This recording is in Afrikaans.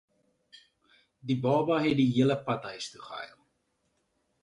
Die baba het die hele pad huis toe gehuil.